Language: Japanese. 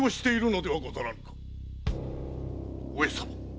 上様。